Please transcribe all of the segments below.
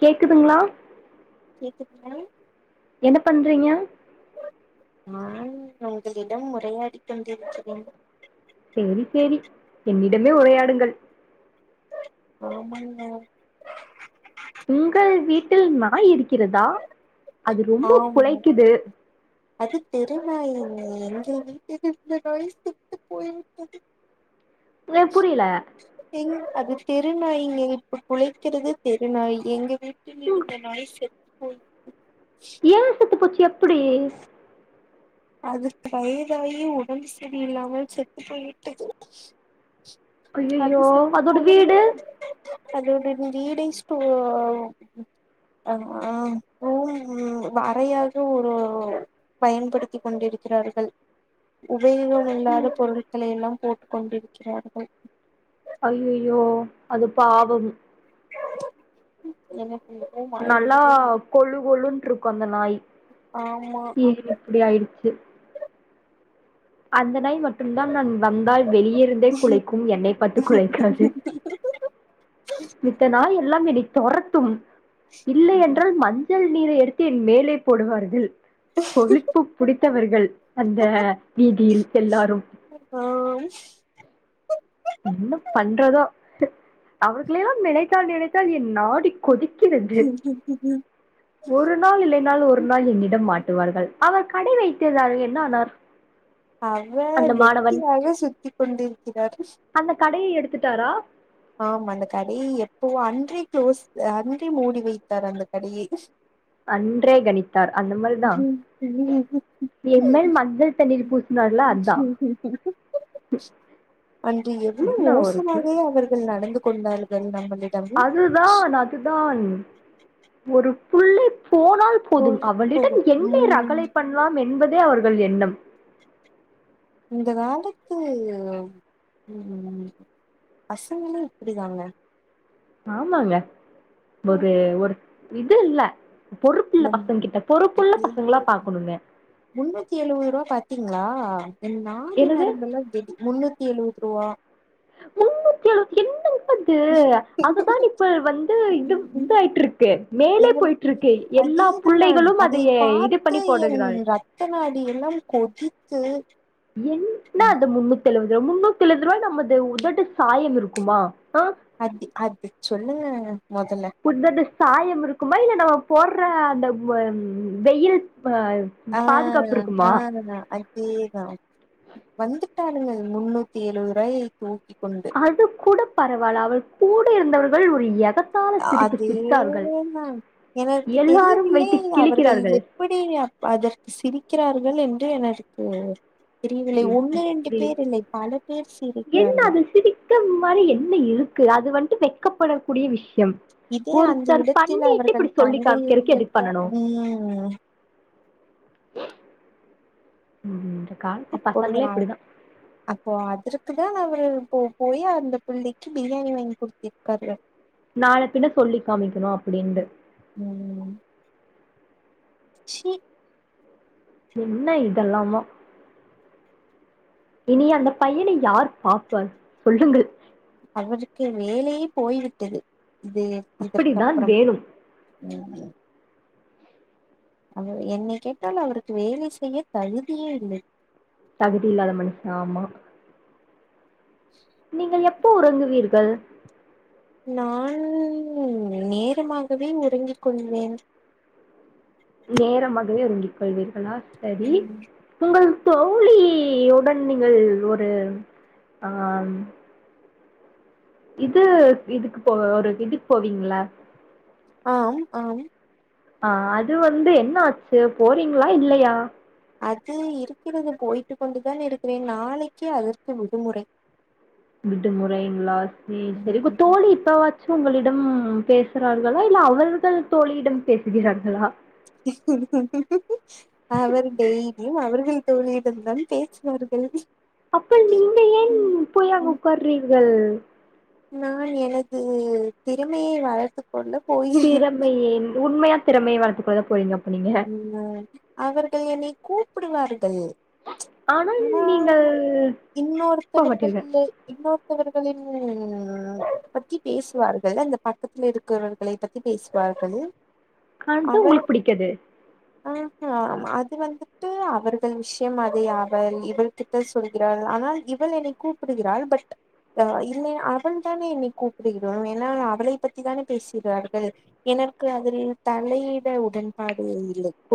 கேக்குதுங்களா கேக்குதுங்க என்ன பண்றீங்க நான் உங்களிடம் உரையாடிக் கொண்டிருக்கிறேன் சேரி சேரி என்னிடமே உரையாடுங்கள் ஆமாங்க உங்கள் வீட்டில் நாய் இருக்கிறதா அது ரொம்ப ஆமா குலைக்குது அது தெருநாயில்லைங்க எங்க வீட்டில் இருந்த நாயி செத்துப் போய்விட்டது ஏ புரியல எங் அது தெருநாய்ங்க இப்ப குலைக்கிறது தெருநாய் எங்க வீட் டில் இருந்த நாய் செத் போயிட்ச்சு ஏ செத்து போச்சு ப்படி அதுக்கு வயதாயி உடம்பு சரியில்லாமல் செத்து போய்விட்டது அய்யயோ அதோட வீடு அதோட வீடை ஸ்டோ ஆ ரூம் வறையாக ஒரு பயன்படுத்திக் கொண்டிருக்கிறார்கள் உபயோகம் இல்லாத பொருட்களை எல்லாம் போட்டுக் கொண்டிருக்கிறார்கள் அயயோ அது பாவம் எனக் நல்லா கொளு கொளுனு ட்ருக்கு அந்த நாயி ஆமா ஏன் இப்படி ஆயிடுச்சு அந்த நாய் மட் மட்டும்தான் நான் வந்தால் வெளியருந்தே குலைக்கும் என்னை பார்த்து குலைக்காது மித்த நாய் எல்லாம் வெடி தொரத்தும் இல்லை என்றால் மஞ்சள் நீரை எடுத்து என் மேலே போடுவார்கள் கொழிப்பு புடி த்தவர்கள் அந்த வீதியில் எல்லாரும் ஆம் என்ன பண்றதோ அவர்களையெல்லாம் நினைத்தால் நினைத்தால் என் நாடி கொதிக் கிறது ஒரு நாள் இல்லைனால் ஒரு நாள் என்னிடம் மாட் டுவார்கள்‌ அவர் கடை வைத்திருந்தாரெ என்ன ஆனார் அந்த அவர் மாணவன் வெட்டியாக சுத்தி் கொண்டிருக்கிறார் அந்த கடையை எடுத்துட்டாரா ஆம் அந்த கடையை எப்பவொ அன்றே க்ளோஸ் அன்றே மூடி வைத்தார் அந்த கடையை அன்றே கணித்தார் அந்த மாரிதா எம்மேல் மஞ்சள் தண்ணீர் பூசுனார்ல அதா அன்று எவ்வளவு என்ன ஒரு கு மோசமாகவே அவர்கள் நடந்து கொண்டார்கள் நம்பள் அதுதான் அதுதான் ஒரு புள்ளி போனால் போதும் அவளிடம் போதும் [unintelligible] ம் ரகளை பண்லாம் என்ப தே அவர்கள் எண்ணம் இந்த காலத்து ம் பசங்களு இப்டிதாங்க ஆமாங்க ஒரு ஒரு இது இல்ல பொறுப்புள்ள பசங்க கிட்ட பொறுப்புள்ள பசங்களா பாக்கணுங்க [inaudible] முன்னூத்தி எழுவதுருவா பாத்தீங்ளா ஆ என் நாடி எனது நரம்பெல்லாம் [unintelligible] முன்னூத்தி எழுவ துருவா முன்னூத்தி எழுவத் எந்த அது அதுதான் இப்ப வந்து இது இதாயிட்ருக்கு மேலே எனக்கு போயிட்ருக்கு எல்லா அதேதான் புள்ளைகளும் அதை அதைய இது பார்த்து பண்ணி என் போடுகிறாள் ரத்த நாடி எல்லாம் கொதித்து என்ன அந்த முன்னூத் தெழுவது முன்னூத்தி எழுவது ருவாய் நம்மது உதட்டு சாயம் இருக்குமா ஆ அதி அது சொல்லுங்கங்க மொதல்ல உன்னோட சாயம் இருக்குமா இல்ல நம்ம போர்ற அந்த வ வெயில் ஆ ஆ பாதுகாப்பு அ இருக்குமா அதுதா அதேதா வந்து ட்டாளுங்கள் முன்னூத்தி எழுவதுருவாயை தூக்கி அதுக் கூட பரவாயில்ல அவள் கூட இருந்தவர்கள் ஒரு எதக் அதே நான் எனர்க்கு எல்லாரும் தெரியவில்லை வைத்து அவர்கள் கிழிக்கிறார்கள் எப்படி அப் அதற்கு சிரிக்கிறார் கள் என்று எனர்க்கு ப் ப்பிடி பல பேர் என்ன சிரிக்கிறார்கள். அது சிரிக்க மாரி என்ன இருக்கு அது வந்து வெக்கபடக்கூடிய விஷ்யம் இதே அந்த இடத்தில் அவர்கள் சொல்லி தங்கை காமிக்கிறதுக்கு எதுக்கு இருந்திருந்தா பண்ணணும் ம் ம் அப்பொழுது நா அப் அப்போ அதிரு க்குதா அவரு போ போயி அந்த புள்ளைக்கு பிரியாணி வாங்கி குடுத்திருக்காரு நாள பின்ன சொல்லி காமிக்கணு அப்படின்டு ம். ச்சீ என்ன இதெல்லாமோ இனி அந்த பையனை யார் பாப்பா சொல்லுங்கள் அவருக்கு வேலையே போய்விட்டது இது அப்படித்தான் இதற்கப்றம் வேணும் ம் ம் அவர் என்னை கேட்டால் அவருக்கு வேலை செய்ய தகுதியே இல்லை தகுதி இல்லாத மனுஷ ஆமா நீங்கள் எப் ப்ப உறங்குவீர்கள் நான் நேரமாகவே உறங்கிக் கொள்வேன் நேரமாகவே உறங்கிக் கொள்வீர்களா சரி உங்கள் தோளியுடன் நீங்கள் ஒரு ஆ ம் இது இதுக்கு போ ஒரு இதுக்கு போவீங்கள ஆம் ஆம் ஆ அது வந்து என்ன ஆச்சு போறீங்ளா இல்லயா அது இருக்கிறது போய்ட்டு கொண்டுதான் இருக்குறேன் நாளைக்கு அதற்கு விடுமுறை விடு முறைங்களா சேரி சேரி க்கு தோழி இப்பவா ச்சு உங்களிடம் பேசுறார்களா இல்ல அவர்கள் தோலியிடம் பேசுகிறார்களா தோலியிடம்தான் பேசுவார்கள் அப்ப நீங்க ஏன் போய் அங்க உக்கார்றீங் கள் நான் எனது திறமையை வளர்த்துக் திறமைய உண்மையா திறமைய வளர்த்துக் கொள்ளப் போறீங்கப் ம் அ அவர்கள் என்னை கூப்புடுவார்கள் ஆனால் போ மாட்டீர்கள் இன்னொருத்தவர்கள்லு இன்னொரு த்தவர்களின் பத்தி பேசுவார்கள் அந்த பக்கத்துல இருக்குறவர்களை பத்தி பேசுவார்கள் [unintelligible] உங்களுக் பிடிக்காது ஆஹ அது வந்துட்டு அவர்கள் விஷ்யம் அதை அவள் இவள் கிட்ட சொல்கிறாள் ஆனால் இவள் என்னை கூப்புடுகிறாள் பட் ஆ இல்லை அவள் தானே என்னை கூப்பிடுகிற என்னால் அவளை பத்தி தானே பேசிறார்கள் எனக்கு அதில் தலையிட உடன்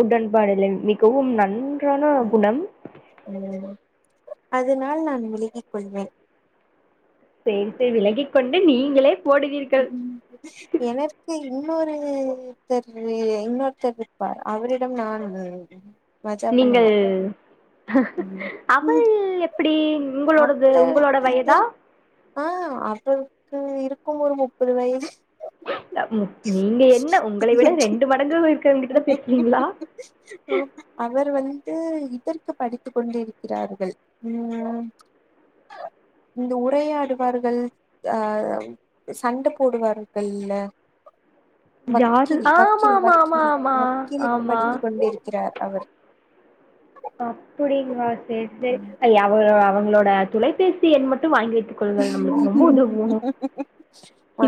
உடன்பாடில்லை மிகவும் நன்றான குணம் அதுனால் நான் விலகிக் கொள்வேன் சேர்த்து விலகிக்கொண்டு நீங்களே போடுவீர்கள் ம் எனக்கு இன்னொருத்தர் இன்னொருத்தர்ருப்பார் அவரிடம் நான் மஜா நீங்கள் பண்ணுவே அவள் எப்பிடி உங்களோடது அவர் உங்களோட வயதா இதற் ஆ அவளுக்கு இருக்கும் ஒரு முப்பது வயது அ ம் நீங்க என்ன உங்களை விட ரெண்டு மடங்கு இருக்குறவ்ங்கிட்டதா பேசுவீங்ளா ரு வந்து இதற்கு படித்துக் கொண்டிருக்கிறார்கள் ம் இந்த உரையாடுவார்கள் அ சண்ட போடுவார்கள்ல யாரு வக்கீல் ஆமா வக்கீல் ஆமா ஆமா வக்கீல் ஆமா வக்கீலுக்கு படித்துக் கொண்டிருக்கிறார் அவர் அப்புடிங்களா சேர் சேரி ம் அய்ய அவ அவங் களோட துலைபேசி எண் மட்டு வாங்கி வை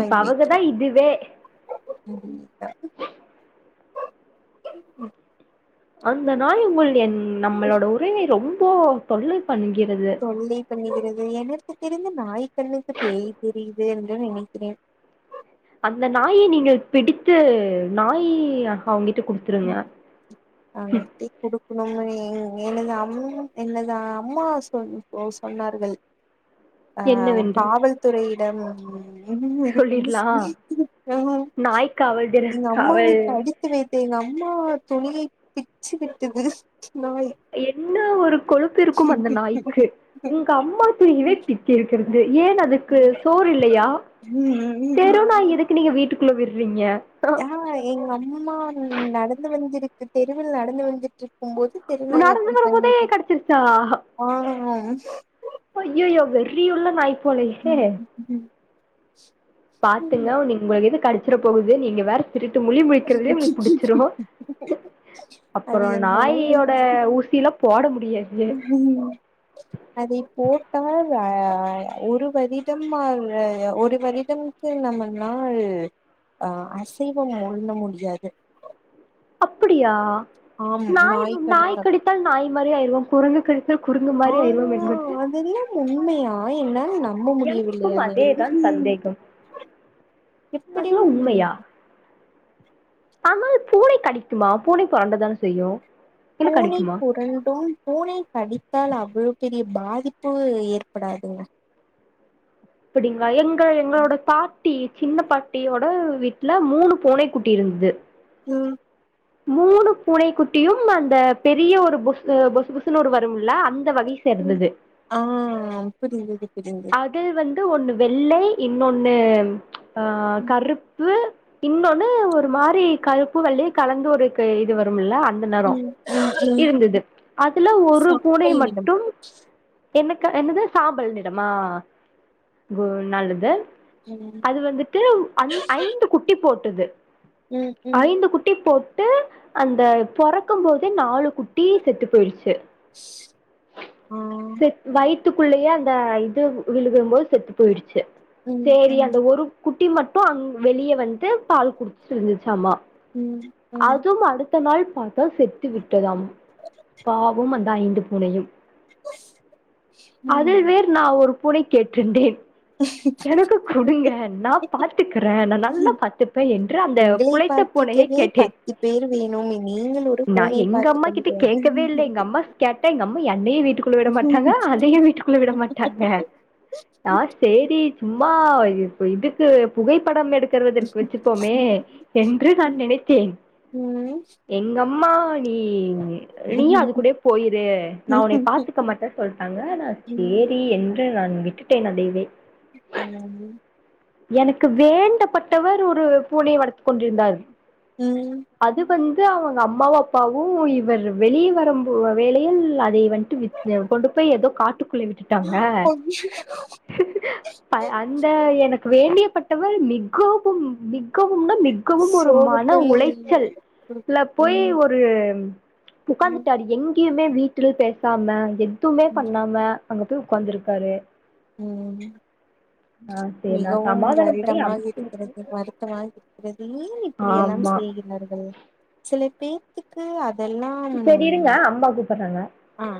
இப்ப வக்கிறே அவங்கதா இதுவே [inaudible] உம் அந்த நாய உங்கள் என் நம்மளோட உரிமை ரொம் போ தொல்லை பண்ணுகிறது தொல்லை பண்ணுகிறது எனக்கு தெரிந்து நாய் கண்ணுக்கு பேய் தெரியி து என்று நினைக்கிறேன். அந்த நாயை நீங்கள் பிடித்து நாய் அஹ் அவுங்கிட் டுகுடுத்துருங்க அவுங்கள்டே குடு க்குனும்னு எங் எனது அம் என்னது அம்மா சொன் ஓ சொன்னார்கள் ஆ என்னவென்று காவல்துறையி டம் சொல்லிடலா ஆஹ் நாய் காவல் திற எங்க அம்மாவை காவல் கடித்து வைத்து எங்க அம்மா துணியை பிச்சு விட்டுது என்ன ஒரு கொழுப்பிருக்கும் அந்த நாய்க்கு உங்க அம்மா துணியவே பிச்சிருக்குது ஏன் அதுக்கு சோறு இல்லையா தெருநாய் ம் எதுக்கு நீங்க வீட்டுக்குள்ள விட்றீங்க ஆ எங்க அம்மா நடந்து வந்திருக் தெருவில் நடந்து வந்துட்டுறுக் இருக்கும்போது தெருநாய் நடந்து அப்டி வரும்போதே பனிட்டு ஆ அ அய்யய்யோ வெறி உள்ள நாய் போலயே பாத்துங்க நீ உங்களுக் எது கடிச்சிட போகுது நீங்க வேற திருட்டு முழி முழிக்கிறதுலே உங்ளுக்கு புடிச்சிரு அது அப்றோ என்னவோ நாயோட ஊசிலா போட மு அதை போட்டால் ஆ ஒரு வரிடம்மாரய ஒரு வரிடம்க்கு நம்ம நாள் அ அசைவம் ஒழுண்ண முடியாது அப்படியா ஆம் நாய் நாய் கடித்தா கடித்தால் நாய் மாரி ஆயிருவோம் குறுங்கு கடித்தால் குறுங்கு மாதிரி ஆனா ஆயிருவோம் என்து அதெல்லாம் உண்மையா என்னால் நம்ப முடியவில்லை எனக்கும் அதை அதேதான் சந்தேகம் அதுல்லா எப்படியும் உண்மையா ஆனால் பூனை கடிக்குமா பூனை பறண்டுதானே செய்யு பூனை புரண்டும் பூனை கடித்தால் அவ் அவ்ளோ பெரிய பாதிப்பு ஏற்படாதுங்க அப்டிங்களா எங் தா எங்களோட தா பாட்டி சின்ன பாட்டியோட வீட்டுல மூணு பூனை குட்டி இருந்தது உம் மூணு பூனை குட்டியும் அந்த பெரிய ஒரு பொசு பொசுபுசுனு வரும்ல அந்த வகை சேர்ந்தது ஆ புரியுது அதில் வந்து ஒண்ணு வெள்ளை இன்னொன்னு ஆ ம் கருப்பு இன்னொன்னு ஒரு மாரி கருப்பு வெள்ளையு கலந்து ஒருக் இது வரும்ல அந்த நெறோ ம் ம் இருந்தது அதுல ஒரு பூனை சாம்பல் நிறம் மட்டும் என்னக்கா என்னது சாம்பல் நிறமா கு நல்லது ம் அது வந்துட்டு அஞ் ஐந்து குட்டி போட் டது ம் ம் ஐந்து குட்டி போட் ட்டு அந்த பொறக்கும் போதே நாலு குட்டி செத்து போயிடுச்சு ம் செத் வயித்துக்குள்ளயே அந்த இது விழுகும் போது செத்து போயிடுச்சு ம் சேரி ம் அந்த ஒரு குட்டி மட்டும் அங் வெளிய வந்து பால் குடிச்சிட்ருந்துச்சாமா ம் ம் த நாள் பாத்தா செத்து விட்டதாம் பாவும் அந்த ஐந்து பூனையும் அதில் ம். வேற் நா ஒரு பூனை கேட்டுருந்தேன் எனக்கு குடுங்க நா பாத்துக்கிறன் நா நல்லா பாத்துப்பேன் என்று அந்த உங்களை புளைத்த பூனையை பார்த்துக்கவே கேட்டேன் பத்து பேர் வேணும் நீங்கள் ஒரு நா பூனை எங்க பார்த்து அம்மா கொண்டு கிட்ட போங்க. கேக்கவே இல்லை எங்க அம்மா கேட்டா எங்க அம்மா என அப்டே வீட் டு குள்ள விட மாட்டாங்க அதையும் வீட்டுக்குள்ள விட மாட்டாங்க நா சேரி சும்மா ஆ இப்ப இதுக்கு புகைப்படம் எடு க்கிறதற்கு வச்சுப்போமே என்று நா நினைத்தேன் ம் எங்க அம் மா நீ நீயும் ம் அது கூடே போயிரு நா உன்னைய பாத்துக் க மாட்ட சொல்ட்டாங்க நா சேரி என்று நான் விட்டுட்டே நா தெய்வே என்னாது எனக்கு வேண்டப்பட்டவர் ஒரு பூனைய வளத்துக் கொண்டிருந்தார் ம் அது வந் து அவுங்க அம்மாவும் அப்பாவும் இவரு வெளிய வரம்போ வேலையில் அ தே வண்ட்டு வித் ம் கொண்டு போயி எதோ காட்டுக்குள்ளே விட்டுட்டாங்க அந்த எனக் வேண்டியப்பட்டவர் மிகவும் மிக வும்ள மிகவும் ஒரு மன சோகத்தில் உளைச்சல்ல போயி ம் ஒரு ம் உக்காந்துட்டாரு எங் கியுமே வீட்டில் பேசாமா எ துமே ம் பண்ணாம அங்க போய் உட்காந்துருக்காரு ம் சரி நான் மிகவும் சமாதானம் பண்ணி வருடமாக அமைச்சு விட்டேன் இருக்கிறது வருத்தமாக இருக்கிறது ஏன் இப்டி எல்லாம் ஆமா செய்கிறார்கள் பேத்துக்கு அப் சேரி இருங்க அம்மா கூப்பிடுறாங்க ஆ